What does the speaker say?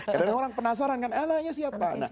kadang orang penasaran kan eh anaknya siapa